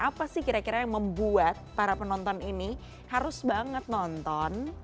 apa sih kira kira yang membuat para penonton ini harus banget nonton